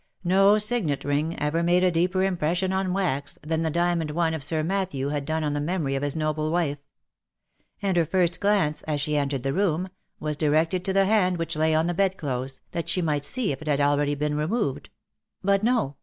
No signet ring ever made a deeper impression on wax, than the diamond one of Sir Matthew had done on the memory of his noble wife ; and her first glance, as she entered the room, was directed to the hand which lay on the bedclothes, that she might see if it had been already removed ; but no